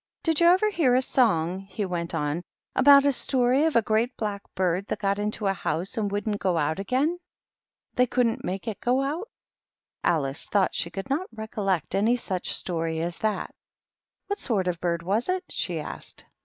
"Did you ever hear a song," he went on, " about a story of a great black bird that got into a house and wouldn't go out again ? They couldn't make it go out." Alice thought she could not recollect any such THE MOCK TURTLE. Story as that. " What sort of a bird was it ?" she asked.